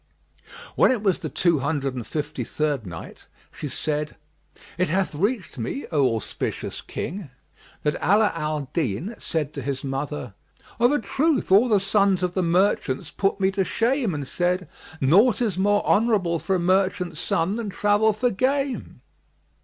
When it was the Two Hundred and Fifty third Night, She said, It hath reached me, O auspicious King, that Ala al Din said to his mother, "Of a truth all the sons of the merchants put me to shame and said, 'Naught is more honourable for a merchant's son than travel for gain.'"